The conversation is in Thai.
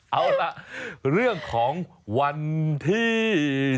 เอาล่ะเรื่องของวันที่๑